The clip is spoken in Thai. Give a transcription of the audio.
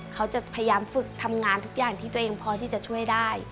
เขาจะพยายามฝึกทำงานทุกอย่างที่ตัวเองพอที่จะช่วยได้